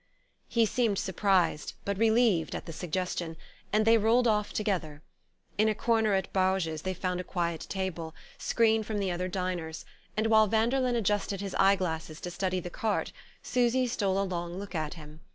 He seemed surprised but relieved at the suggestion, and they rolled off together. In a corner at Bauge's they found a quiet table, screened from the other diners, and while Vanderlyn adjusted his eyeglasses to study the carte Susy stole a long look at him.